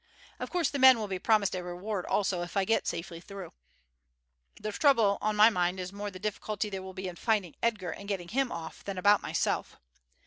Of course the men will be promised a reward also if I get safely through. The trouble on my mind is more the difficulty there will be in finding Edgar and getting him off than about myself.